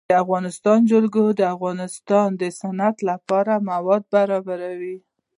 د افغانستان جلکو د افغانستان د صنعت لپاره مواد برابروي.